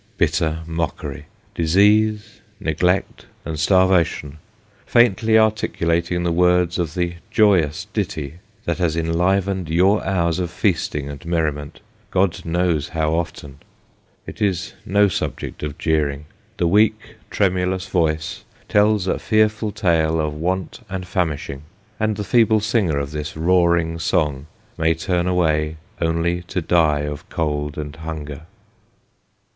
Bitter mockery ! Disease, neg lect, and starvation, faintly articulating the words of the joyous ditty, that has enlivened your hours of feasting and merriment, God knows how often ! It is no subject of jeering. The weak tremulous voice tells a fearful tale of want and famishing ; and the feeble singer of this roaring song may turn away, only to die of cold and hunger.